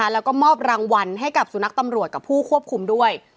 แล้วก็มอบรางวัลให้กับสุนัขตำรวจกับผู้ควบคุมด้วย